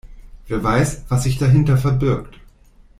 Wer weiß, was sich dahinter verbirgt.